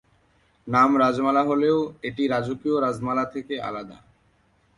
নাম রাজমালা হলেও এটি রাজকীয় রাজমালা থেকে আলাদা।